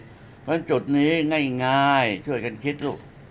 เพราะฉะนั้นจุดนี้ง่ายช่วยกันคิดลูก